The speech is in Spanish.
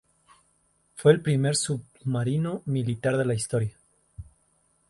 Fue el primer submarino militar de la historia.